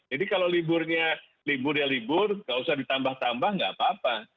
jadi kalau liburnya libur ya libur gak usah ditambah tambah gak apa apa